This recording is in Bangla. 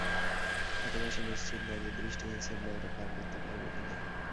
অথবা সে নিশ্চিত না যে দৃষ্টিহীন সিম্বা এটা পার করতে পারবে কি না।